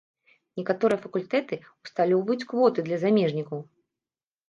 Некаторыя факультэты усталёўваюць квоты для замежнікаў.